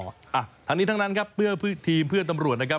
ทั้งนี้ทั้งนั้นครับเพื่อทีมเพื่อนตำรวจนะครับ